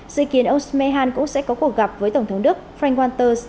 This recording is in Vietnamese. dự kiến ông mekhan cũng sẽ có cuộc gặp với tổng thống đức frank walter steinmeier